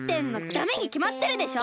ダメにきまってるでしょ！